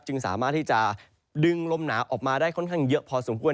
สามารถที่จะดึงลมหนาวออกมาได้ค่อนข้างเยอะพอสมควร